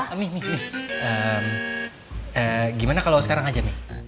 ehm gimana kalau sekarang aja